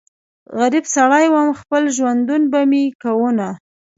غريب سړی ووم خپل ژوندون به مې کوونه